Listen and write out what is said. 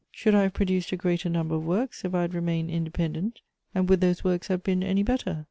Should I have produced a greater number of works if I had remained independent, and would those works have been any better?